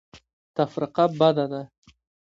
تفرقه بده ده.